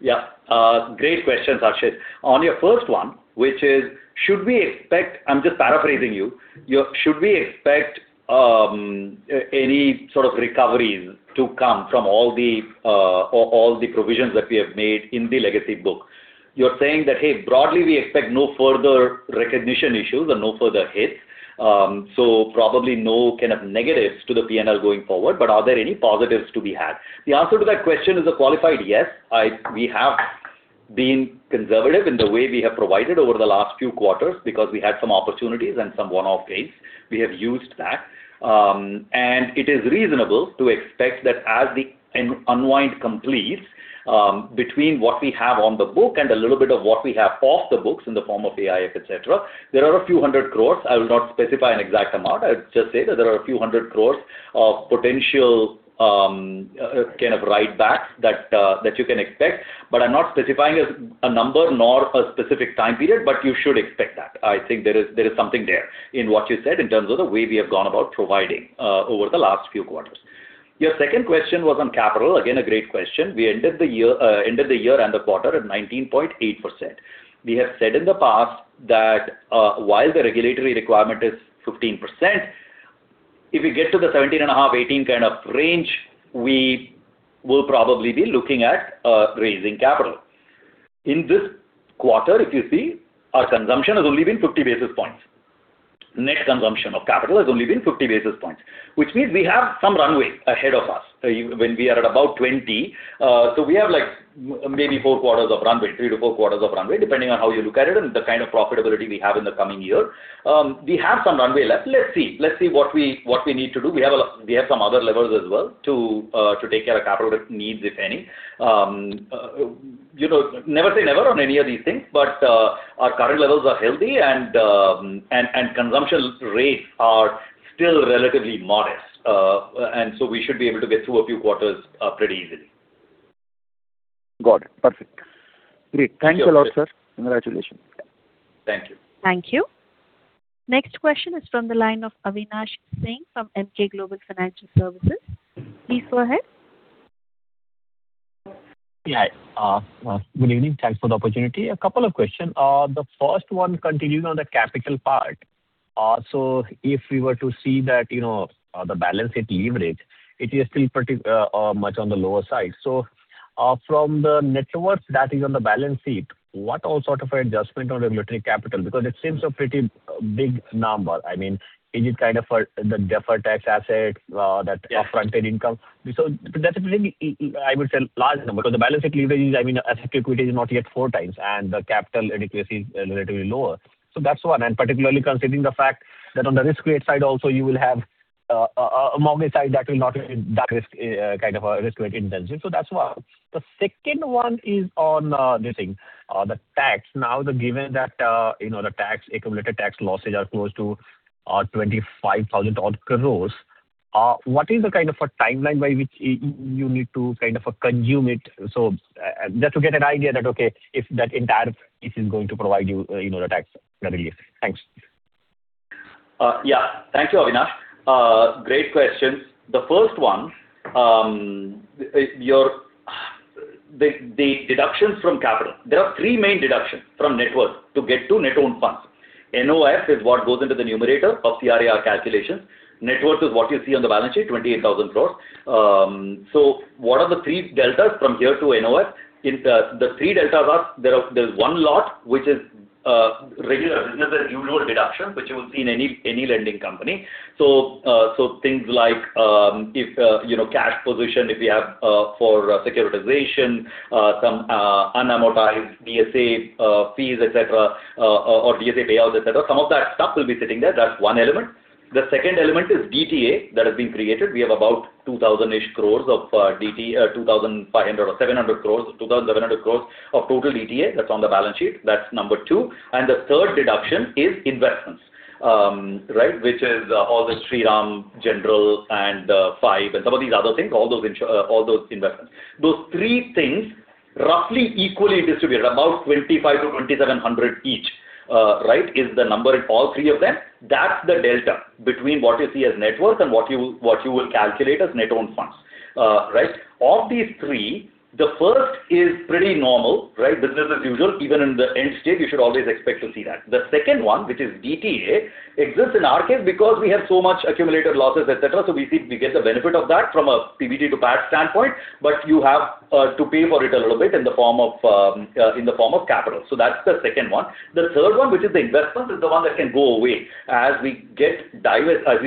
Yeah. Great questions, Harshit. On your first one, which is should we expect. I'm just paraphrasing you. Should we expect any sort of recoveries to come from all the provisions that we have made in the legacy book? You're saying that, hey, broadly, we expect no further recognition issues and no further hits. So probably no kind of negatives to the PNL going forward, but are there any positives to be had? The answer to that question is a qualified yes. We have been conservative in the way we have provided over the last few quarters because we had some opportunities and some one-off gains. We have used that. It is reasonable to expect that as the unwind completes, between what we have on the book and a little bit of what we have off the books in the form of AIF, et cetera. There are INR a few hundred crores. I will not specify an exact amount. I'll just say that there are INR a few hundred crores of potential, kind of write-backs that you can expect. But I'm not specifying a number nor a specific time period. But you should expect that. I think there is something there in what you said in terms of the way we have gone about providing over the last few quarters. Your second question was on capital. Again, a great question. We ended the year and the quarter at 19.8%. We have said in the past that while the regulatory requirement is 15%, if we get to the 17.5-18 kind of range, we will probably be looking at raising capital. In this quarter, if you see, our consumption has only been 50 basis points. Net consumption of capital has only been 50 basis points, which means we have some runway ahead of us when we are at about 20. We have like maybe 4 quarters of runway, 3-4 quarters of runway, depending on how you look at it and the kind of profitability we have in the coming year. We have some runway left. Let's see what we need to do. We have some other levers as well to take care of capital needs, if any. You know, never say never on any of these things, but our current levels are healthy and consumption rates are still relatively modest. We should be able to get through a few quarters pretty easily. Got it. Perfect. Great. Thanks a lot, sir. Congratulations. Thank you. Thank you. Next question is from the line of Avinash Singh from Emkay Global Financial Services. Please go ahead. Yeah. Good evening. Thanks for the opportunity. A couple of questions. The first one continuing on the capital part. If we were to see that, you know, the balance sheet leverage, it is still pretty much on the lower side. From the net worth that is on the balance sheet, what all sort of adjustment on regulatory capital? Because it seems a pretty big number. I mean, is it kind of a, the deferred tax asset that upfronted income? That's a pretty, I would say, large number because the balance sheet leverage is, I mean, assets/equity is not yet 4x and the capital adequacy is relatively lower. That's one. Particularly considering the fact that on the risk weight side also you will have a mortgage side that will not be that risk kind of a risk weight intensive. So that's one. The second one is on this thing, the tax. Now, given that you know, the accumulated tax losses are close to 25,000-odd crores. What is the kind of a timeline by which you need to kind of consume it? So just to get an idea that, okay, if that entire is going to provide you know, the tax relief. Thanks. Thank you, Avinash. Great questions. The first one, the deductions from capital, there are three main deductions from net worth to get to net own funds. NOF is what goes into the numerator of CRAR calculation. Net worth is what you see on the balance sheet, 28,000 crore. What are the three deltas from here to NOF? The three deltas are there is one lot which is regular business as usual deduction, which you will see in any lending company. Things like, you know, cash position if we have for securitization some unamortized DSA fees, et cetera, or DSA payouts, et cetera. Some of that stuff will be sitting there. That's one element. The second element is DTA that has been created. We have about 2,000 crore-ish of DT, 2,500 or 2,700 crores, 2,700 crore of total DTA that's on the balance sheet. That's number two. The third deduction is investments, right, which is all the Shriram General and, Five and some of these other things, all those investments. Those three things roughly equally distributed, about 2,500 crore-2,700 crore each, right, is the number in all three of them. That's the delta between what you see as net worth and what you will calculate as net owned funds. Of these three, the first is pretty normal, right, business as usual. Even in the end state, you should always expect to see that. The second one, which is DTA, exists in our case because we have so much accumulated losses, etc., so we get the benefit of that from a PBT to PAT standpoint, but you have to pay for it a little bit in the form of capital. That's the second one. The third one, which is the investments, is the one that can go away. As we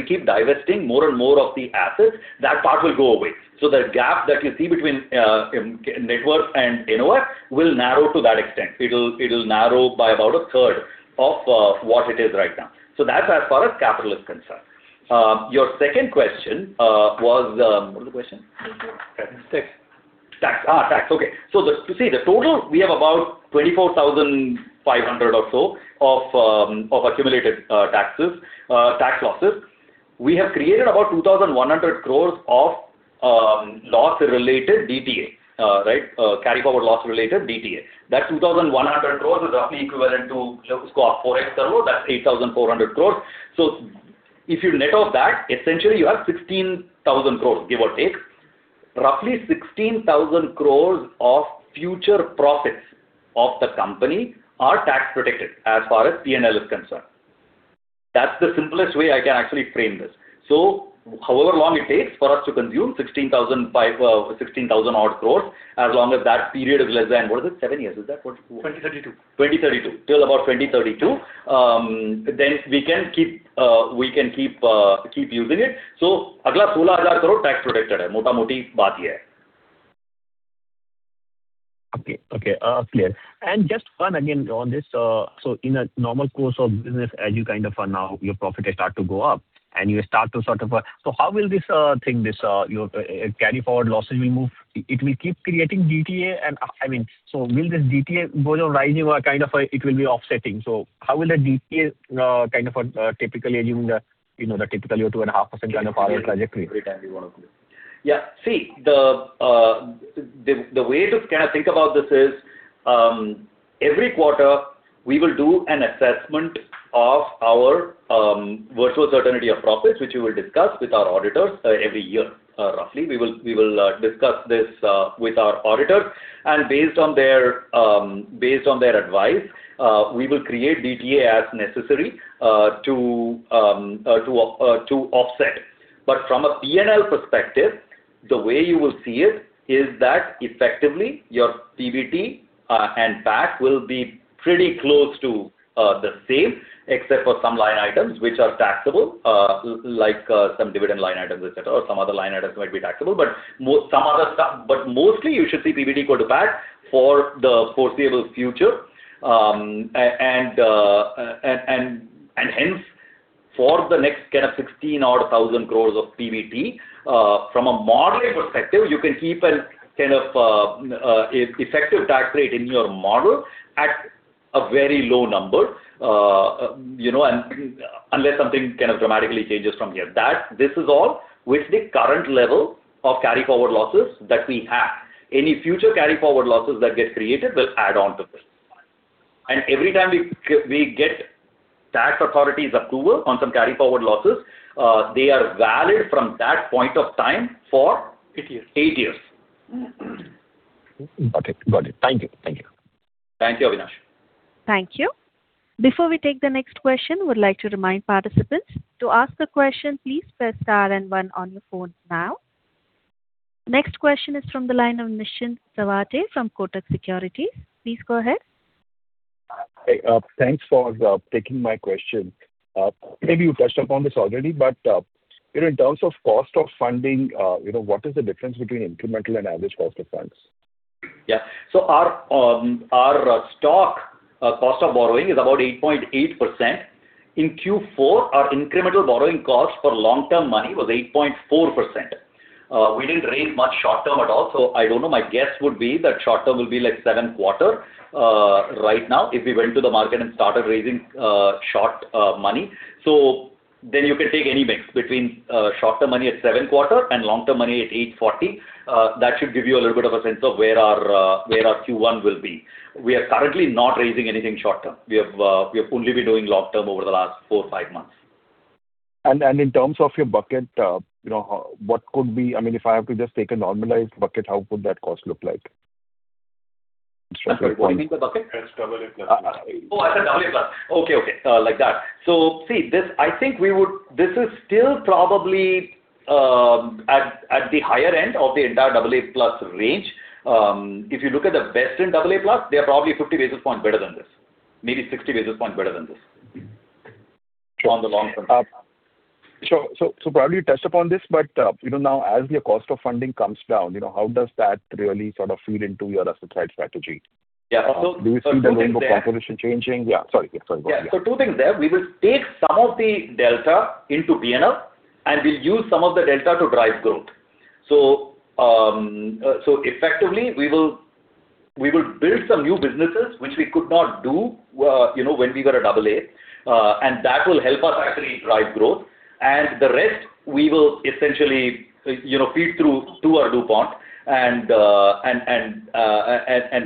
keep divesting more and more of the assets, that part will go away. The gap that you see between net worth and NOA will narrow to that extent. It'll narrow by about a third of what it is right now. That's as far as capital is concerned. Your second question was. What was the question? Tax. Tax. You see, the total we have about 24,500 crores or so of accumulated tax losses. We have created about 2,100 crores of loss-related DTA, carry forward loss-related DTA. That 2,100 crores is roughly equivalent to, you know, 4x turnover. That's 8,400 crores. If you net off that, essentially you have 16,000 crores, give or take. Roughly 16,000 crores of future profits of the company are tax protected as far as P&L is concerned. That's the simplest way I can actually frame this. However long it takes for us to consume 16,000 odd crores, as long as that period is less than what is it? Seven years. Is that what- 2032. 2032. Till about 2032, then we can keep using it. Just one again on this. In a normal course of business, as you kind of are now, your profit has started to go up and you start to sort of, how will this thing, this your carry forward losses move? It will keep creating DTA and I mean, will this DTA go on rising or kind of, it will be offsetting? How will the DTA kind of typically assuming the, you know, the typical 2.5% kind of forward trajectory? Yeah. See, the way to kind of think about this is every quarter we will do an assessment of our virtual certainty of profits, which we will discuss with our auditors every year, roughly. We will discuss this with our auditors, and based on their advice, we will create DTA as necessary to offset. But from a P&L perspective, the way you will see it is that effectively your PBT and PAT will be pretty close to the same except for some line items which are taxable, like some dividend line items, et cetera, or some other line items might be taxable. But mostly you should see PBT equal to PAT for the foreseeable future. Hence for the next kind of 16,000-odd crore of PBT, from a modeling perspective, you can keep a kind of effective tax rate in your model at a very low number. You know, unless something kind of dramatically changes from here. This is all with the current level of carry forward losses that we have. Any future carry forward losses that get created will add on to this. Every time we get tax authority's approval on some carry forward losses, they are valid from that point of time for- 8 years. Eight years. Got it. Thank you. Thank you, Avinash. Thank you. Before we take the next question, I would like to remind participants, to ask the question, please press star and one on your phones now. Next question is from the line of Nischint Chawathe from Kotak Securities. Please go ahead. Hey, thanks for taking my question. Maybe you touched upon this already, but you know, in terms of cost of funding, you know, what is the difference between incremental and average cost of funds? Yeah. Our stock cost of borrowing is about 8.8%. In Q4, our incremental borrowing cost for long-term money was 8.4%. We didn't raise much short-term at all, so I don't know. My guess would be that short-term will be like 7.25 right now, if we went to the market and started raising short-term money. You can take any mix between short-term money at 7.25 and long-term money at 8.40. That should give you a little bit of a sense of where our Q1 will be. We are currently not raising anything short-term. We have only been doing long-term over the last four, five months. In terms of your bucket, you know, I mean, if I have to just take a normalized bucket, how could that cost look like? What do you mean the bucket? That's AA+. I said AA plus. Like that. See, this is still probably at the higher end of the entire AA plus range. If you look at the best in AA plus, they are probably 50 basis points better than this, maybe 60 basis points better than this on the long term. Sure. Probably you touched upon this, but, you know, now as your cost of funding comes down, you know, how does that really sort of feed into your asset side strategy? Yeah. Also Do you see the role of population changing? Yeah, sorry. Yeah, sorry about that. Yeah. Yeah. Two things there. We will take some of the delta into P&L, and we'll use some of the delta to drive growth. Effectively we will build some new businesses which we could not do, you know, when we were a AA. And that will help us actually drive growth. The rest we will essentially, you know, feed through to our DuPont and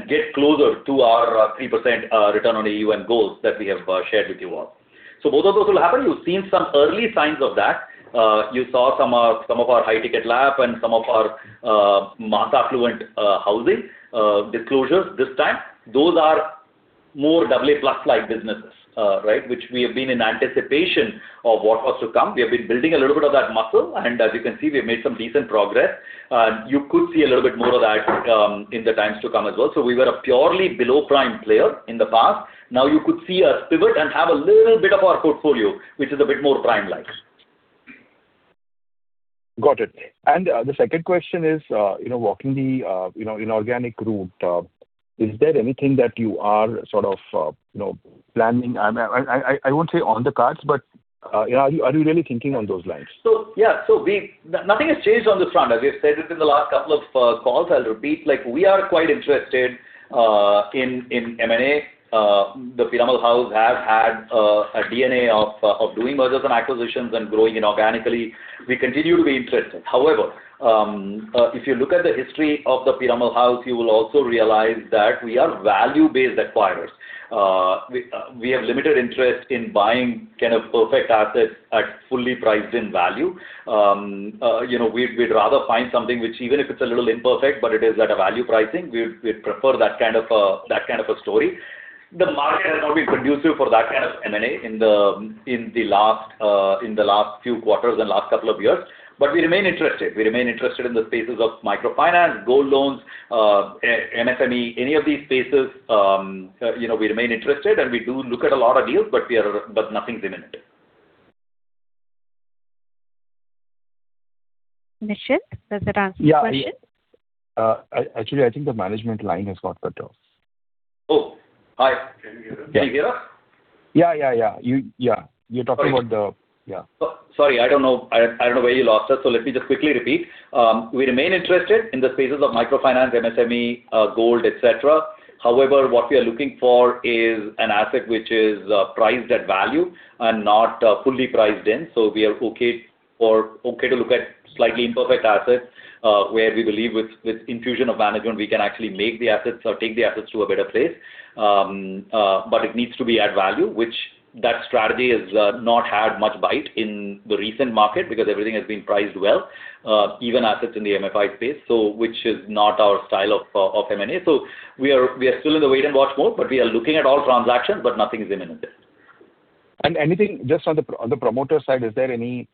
get closer to our 3% return on AUM goals that we have shared with you all. Both of those will happen. You've seen some early signs of that. You saw some of our high ticket lap and some of our mass affluent housing disclosures this time. Those are more AA+ like businesses, right, which we have been in anticipation of what was to come. We have been building a little bit of that muscle, and as you can see, we've made some decent progress. You could see a little bit more of that in the times to come as well. We were a purely below prime player in the past. Now you could see us pivot and have a little bit of our portfolio, which is a bit more prime like. Got it. The second question is, you know, walking the, you know, inorganic route, is there anything that you are sort of, you know, planning? I won't say on the cards, but are you really thinking on those lines? Nothing has changed on this front. As we have said within the last couple of calls, I'll repeat, we are quite interested in M&A. The Piramal House has had a DNA of doing mergers and acquisitions and growing inorganically. We continue to be interested. However, if you look at the history of the Piramal House, you will also realize that we are value-based acquirers. We have limited interest in buying kind of perfect assets at fully priced-in value. You know, we'd rather find something which even if it's a little imperfect, but it is at a value pricing, we'd prefer that kind of a story. The market has not been conducive for that kind of M&A in the last few quarters and last couple of years, but we remain interested. We remain interested in the spaces of microfinance, gold loans, MSME, any of these spaces, you know, we remain interested and we do look at a lot of deals, but nothing's imminent. Nischint, does that answer your question? Yeah. Actually, I think the management line has got cut off. Oh, hi. Can you hear us? Yeah. Can you hear us? Yeah, yeah. Yeah. Sorry. You're talking about. Yeah. Sorry, I don't know where you lost us, so let me just quickly repeat. We remain interested in the spaces of microfinance, MSME, gold, et cetera. However, what we are looking for is an asset which is priced at value and not fully priced in. We are okay to look at slightly imperfect assets, where we believe with infusion of management, we can actually make the assets or take the assets to a better place. But it needs to be at value, which that strategy has not had much bite in the recent market because everything has been priced well, even assets in the MFI space, which is not our style of M&A. We are still in the wait and watch mode, but we are looking at all transactions, but nothing is imminent. Anything just on the promoter side, is there any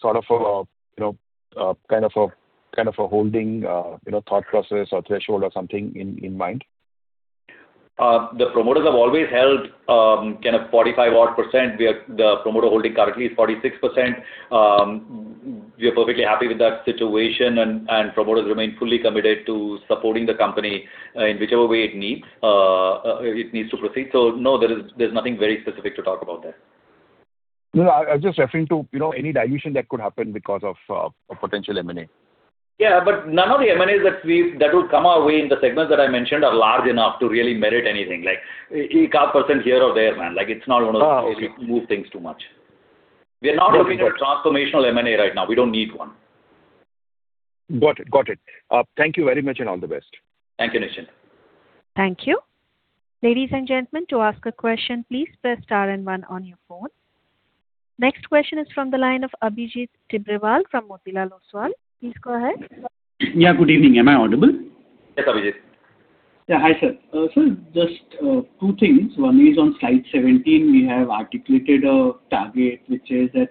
sort of a, you know, kind of a holding, you know, thought process or threshold or something in mind? The promoters have always held kind of 45 odd percent. The promoter holding currently is 46%. We're perfectly happy with that situation and promoters remain fully committed to supporting the company in whichever way it needs to proceed. No, there is, there's nothing very specific to talk about there. No, I was just referring to, you know, any dilution that could happen because of a potential M&A. Yeah. None of the M&As that would come our way in the segments that I mentioned are large enough to really merit anything. Like 8-10% here or there, man. Like, it's not gonna- Oh, okay. We are not looking for transformational M&A right now. We don't need one. Got it. Thank you very much and all the best. Thank you, Nischint. Thank you. Ladies and gentlemen, to ask a question, please press star and one on your phone. Next question is from the line of Abhijit Tibrewal from Motilal Oswal. Please go ahead. Yeah. Good evening. Am I audible? Yes, Abhijit. Yeah. Hi, sir. Sir, just two things. One is on slide 17, we have articulated a target, which is that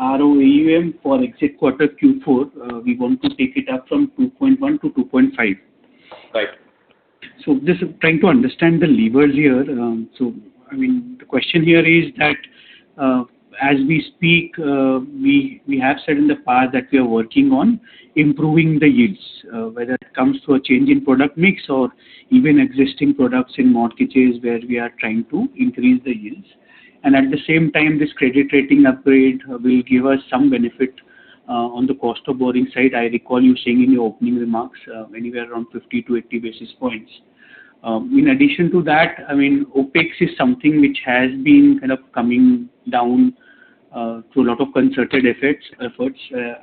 ROAUM for exit quarter Q4, we want to take it up from 2.1 to 2.5. Right. Just trying to understand the levers here. I mean, the question here is that, as we speak, we have said in the past that we are working on improving the yields, whether it comes to a change in product mix or even existing products in mortgages where we are trying to increase the yields. At the same time, this credit rating upgrade will give us some benefit on the cost of borrowing side. I recall you saying in your opening remarks, anywhere around 50-80 basis points. In addition to that, I mean, OpEx is something which has been kind of coming down through a lot of concerted efforts.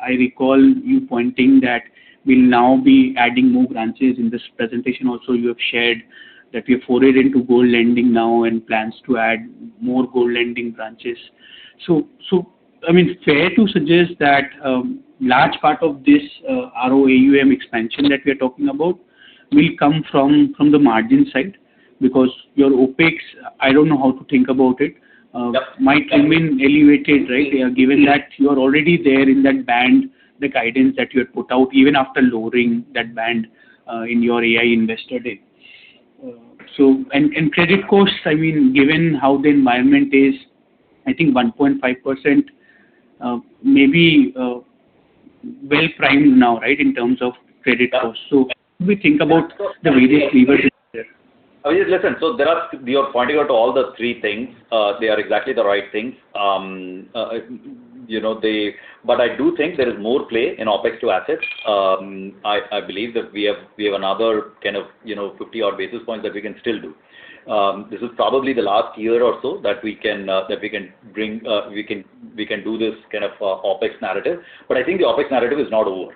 I recall you pointing that we'll now be adding more branches. In this presentation also, you have shared that we have forayed into gold lending now and plans to add more gold lending branches. I mean, fair to suggest that, large part of this, ROAUM expansion that we are talking about will come from, the margin side because your OpEx, I don't know how to think about it. Yeah. might remain elevated, right? Yeah. Given that you're already there in that band, the guidance that you had put out even after lowering that band in your AI Investor Day. Credit costs, I mean, given how the environment is, I think 1.5%, maybe well primed now, right? In terms of credit also. How do we think about the various levers. Abhijit, listen. You're pointing out all three things. They are exactly the right things. You know, they. I do think there is more play in OpEx to assets. I believe that we have another kind of, you know, 50 odd basis points that we can still do. This is probably the last year or so that we can do this kind of OpEx narrative. I think the OpEx narrative is not over.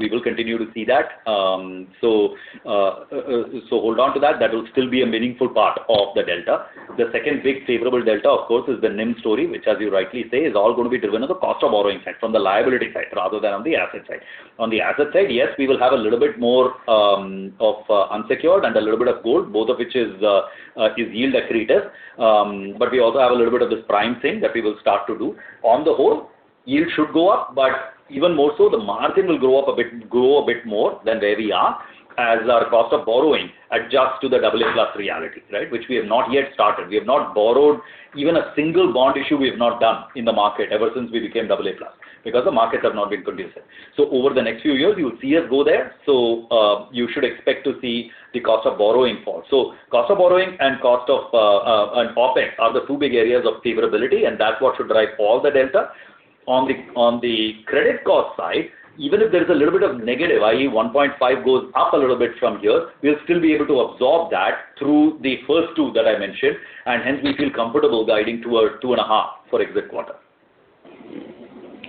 We will continue to see that. Hold on to that. That will still be a meaningful part of the delta. The second big favorable delta, of course, is the NIM story, which as you rightly say, is all gonna be driven as a cost of borrowing side from the liability side rather than on the asset side. On the asset side, yes, we will have a little bit more of unsecured and a little bit of gold, both of which is yield accretive. But we also have a little bit of this prime thing that we will start to do. On the whole, yield should go up, but even more so, the margin will go up a bit, grow a bit more than where we are as our cost of borrowing adjusts to the AA+ reality, right? Which we have not yet started. We have not borrowed even a single bond issue we have not done in the market ever since we became AA+, because the markets have not been conducive. Over the next few years, you will see us go there. You should expect to see the cost of borrowing fall. Cost of borrowing and OPEX are the two big areas of favorability, and that's what should drive all the delta. On the credit cost side, even if there's a little bit of negative, i.e. 1.5% goes up a little bit from here, we'll still be able to absorb that through the first two that I mentioned, and hence we feel comfortable guiding toward 2.5% for exit quarter.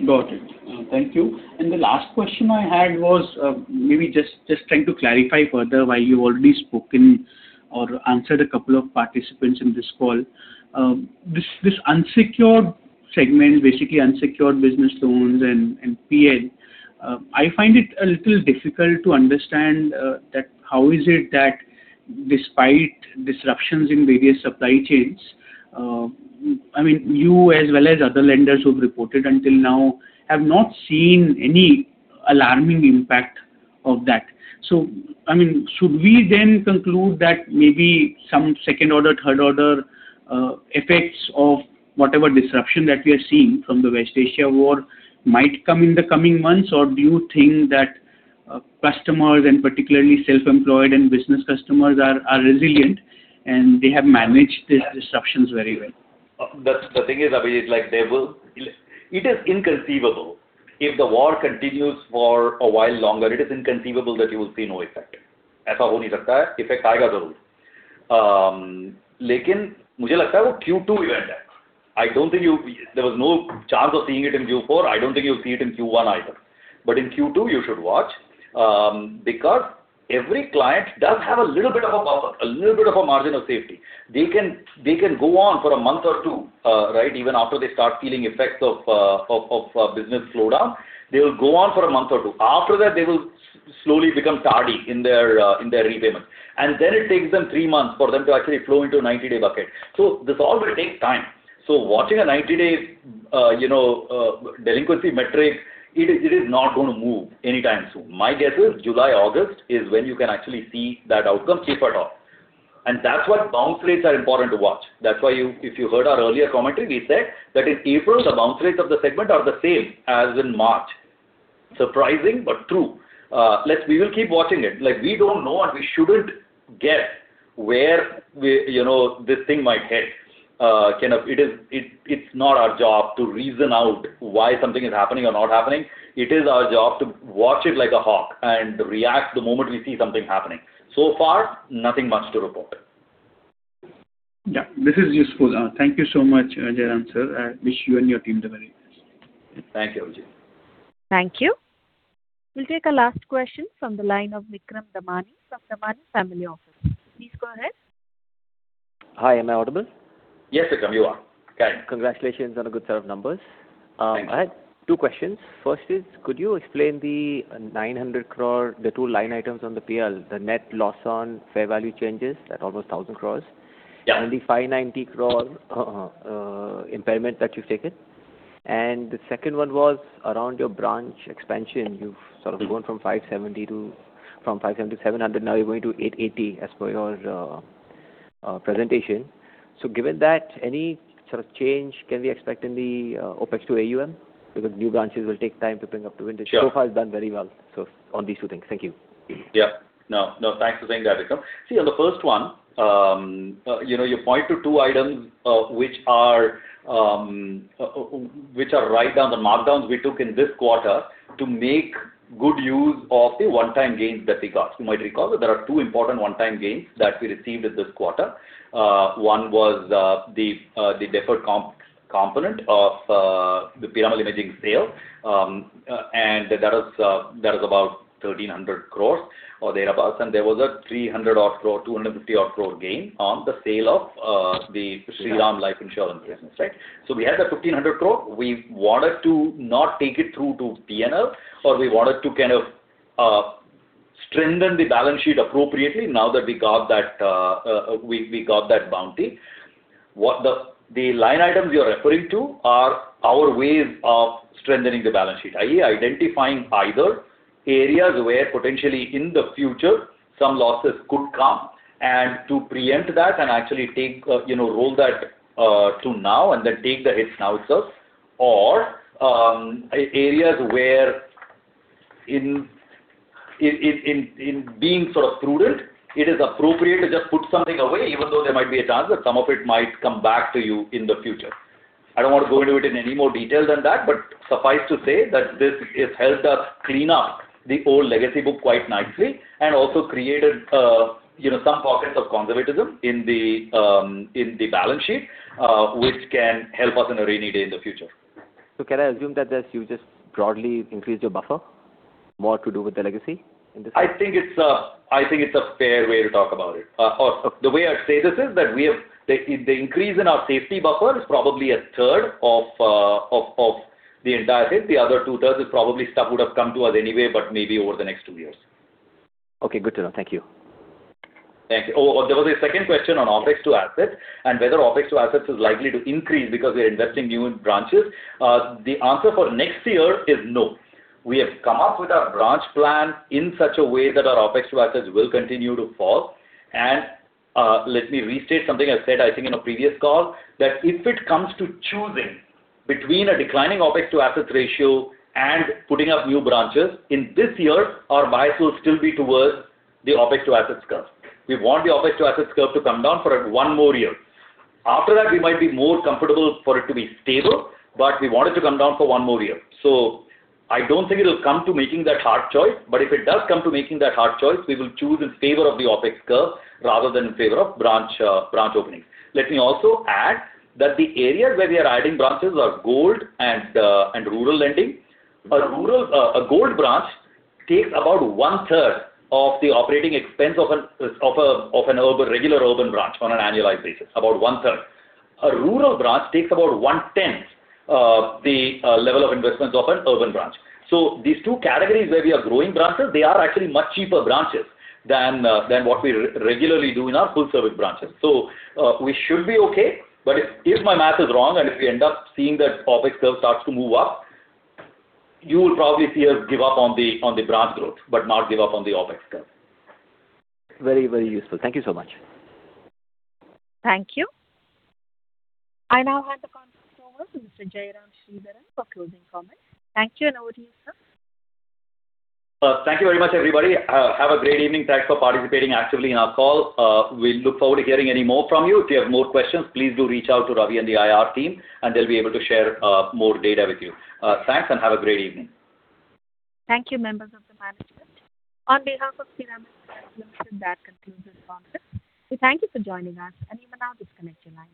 Got it. Thank you. The last question I had was, maybe just trying to clarify further why you already spoken or answered a couple of participants in this call. This unsecured segment, basically unsecured business loans and PN, I find it a little difficult to understand, that how is it that despite disruptions in various supply chains, I mean, you as well as other lenders who've reported until now have not seen any alarming impact of that. So, I mean, should we then conclude that maybe some second order, third order effects of whatever disruption that we are seeing from the West Asia war might come in the coming months? Or do you think that, customers and particularly self-employed and business customers are resilient and they have managed these disruptions very well? The thing is, Abhijit, like they will. It is inconceivable. If the war continues for a while longer, it is inconceivable that you will see no effect here. Thank you. We'll take our last question from the line of Vikram Damani from Damani Family Office. Please go ahead. Hi, am I audible? Yes, Vikram, you are. Go ahead. Congratulations on a good set of numbers. Thanks. I have two questions. First is, could you explain the 900 crore, the two line items on the PL, the net loss on fair value changes at almost 1,000 crore- Yeah. The 590 crore impairment that you've taken. The second one was around your branch expansion. You've sort of gone from 570 to 700. Now you're going to 880 as per your presentation. Given that, any sort of change can we expect in the OpEx to AUM? Because new branches will take time to bring up to vintage. Sure. So far has done very well. On these two things. Thank you. Yeah. No, no. Thanks for saying that, Vikram. See, on the first one, you know, you point to two items, which are write-downs, the markdowns we took in this quarter to make good use of the one-time gains that we got. You might recall that there are two important one-time gains that we received in this quarter. One was the deferred component of the Piramal Imaging sale. That is about 1,300 crore or thereabouts. There was a 300-odd crore, 250-odd crore gain on the sale of the Shriram Life Insurance business, right? We had that 1,500 crore. We wanted to not take it through to P&L, but we wanted to kind of strengthen the balance sheet appropriately now that we got that bounty. The line items you're referring to are our ways of strengthening the balance sheet, i.e. identifying either areas where potentially in the future some losses could come, and to preempt that and actually take roll that to now and then take the hits now itself. Or areas where, in being sort of prudent, it is appropriate to just put something away even though there might be a chance that some of it might come back to you in the future. I don't want to go into it in any more detail than that, but suffice to say that this has helped us clean up the old legacy book quite nicely and also created, you know, some pockets of conservatism in the balance sheet, which can help us on a rainy day in the future. Can I assume that you just broadly increased your buffer more to do with the legacy in this case? I think it's a fair way to talk about it. The way I'd say this is that we have the increase in our safety buffer is probably a third of the entire hit. The other two-thirds is probably stuff would have come to us anyway, but maybe over the next two years. Okay. Good to know. Thank you. Thank you. Oh, there was a second question on OpEx to assets and whether OpEx to assets is likely to increase because we are investing in new branches. The answer for next year is no. We have come up with our branch plan in such a way that our OpEx to assets will continue to fall. Let me restate something I said, I think in a previous call, that if it comes to choosing between a declining OpEx to assets ratio and putting up new branches, in this year our bias will still be towards the OpEx to assets curve. We want the OpEx to assets curve to come down for one more year. After that, we might be more comfortable for it to be stable, but we want it to come down for one more year. I don't think it'll come to making that hard choice. If it does come to making that hard choice, we will choose in favor of the OpEx curve rather than in favor of branch openings. Let me also add that the areas where we are adding branches are gold and rural lending. A gold branch takes about one-third of the operating expense of a regular urban branch on an annualized basis, about one-third. A rural branch takes about one-tenth of the level of investments of an urban branch. These two categories where we are growing branches, they are actually much cheaper branches than what we regularly do in our full-service branches. We should be okay. If my math is wrong and if we end up seeing that OPEX curve starts to move up, you will probably see us give up on the branch growth, but not give up on the OPEX curve. Very, very useful. Thank you so much. Thank you. I now hand the conference over to Mr. Jairam Sridharan for closing comments. Thank you, and over to you, sir. Thank you very much, everybody. Have a great evening. Thanks for participating actively in our call. We look forward to hearing any more from you. If you have more questions, please do reach out to Ravi and the IR team and they'll be able to share more data with you. Thanks, and have a great evening. Thank you, members of the management. On behalf of, that concludes this conference. We thank you for joining us, and you may now disconnect your lines.